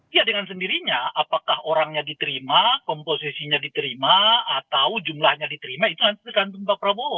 ya dengan sendirinya apakah orangnya diterima komposisinya diterima atau jumlahnya diterima itu tergantung pak prabowo